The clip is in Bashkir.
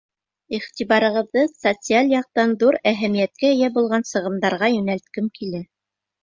Иғтибарығыҙҙы социаль яҡтан ҙур әһәмиәткә эйә булған сығымдарға йүнәлткем килә.